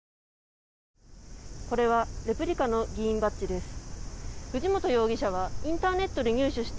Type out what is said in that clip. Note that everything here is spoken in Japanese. これはレプリカの議員バッジです。